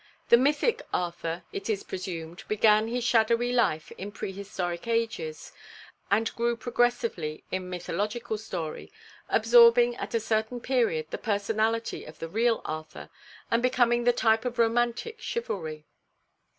The mythic Arthur, it is presumed, began his shadowy life in pre historic ages, and grew progressively in mythologic story, absorbing at a certain period the personality of the real Arthur, and becoming the type of romantic chivalry.